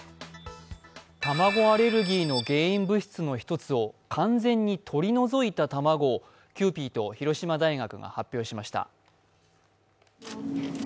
卵アレルギーの原因物質の一つを完全に取り除いた卵をキユーピーと広島大学が発表しました。